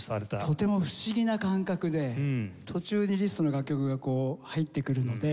とても不思議な感覚で途中にリストの楽曲がこう入ってくるので。